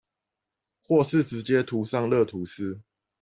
或是直接塗上熱吐司